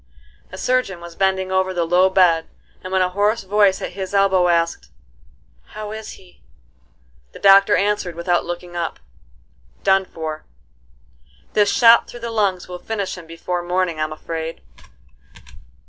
A surgeon was bending over the low bed, and when a hoarse voice at his elbow asked: "How is he?" The doctor answered without looking up: "Done for: this shot through the lungs will finish him before morning I'm afraid."